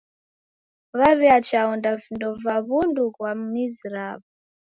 W'aw'iacha onda vindo kwa w'undu ghwa mizi raw'o.